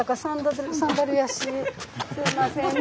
すいませんね